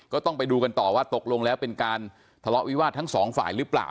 ก็ต้องไปดูกันต่อว่าตกลงแล้วเป็นการทะเลาะวิวาสทั้งสองฝ่ายหรือเปล่า